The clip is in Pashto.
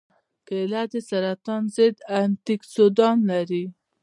کېله د سرطان ضد انتياکسیدان لري.